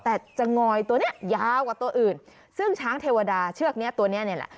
แต่จะงอยตัวเนี้ยยาวกว่าตัวอื่นซึ่งช้างเทวดาเชือกเนี้ยตัวเนี้ยนี่แหละ